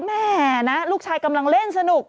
แม่นะลูกชายกำลังเล่นสนุก